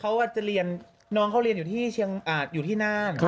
เขาอาจจะเรียนน้องเขาเรียนอยู่ที่น่าน